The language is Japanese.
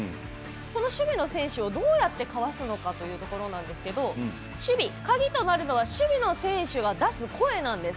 その守備の選手をどうやってかわすのかというところなんですけど鍵となるのは守備の選手が出す声なんです。